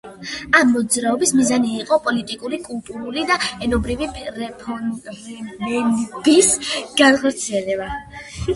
ამ მოძრაობის მიზანი იყო პოლიტიკური, კულტურული და ენობრივი რეფორმების განხორციელება.